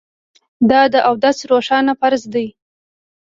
دا د اودس روښانه فرض دی